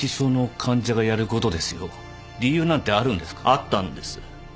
あったんです。